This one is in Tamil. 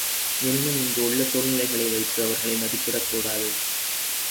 எனினும் இங்கு உள்ள சூழ்நிலைவைத்து அவர்களை மதிப்பிடக்கூடாது.